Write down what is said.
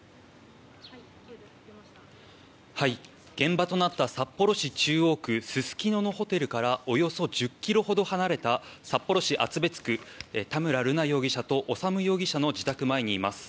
現場となった札幌市中央区すすきののホテルからおよそ１０ｋｍほど離れた札幌市厚別区田村瑠奈容疑者と修容疑者の自宅前にいます。